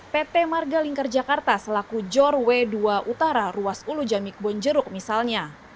pt marga lingkar jakarta selaku jor w dua utara ruas ulu jamik bonjeruk misalnya